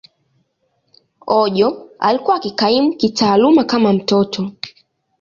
Ojo alikuwa akikaimu kitaaluma kama mtoto.